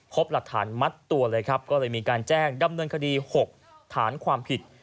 พบหลักฐานมัดตัวเลยครับก็เลยมีการแจ้งดำเนินคดี๖ฐานความผิด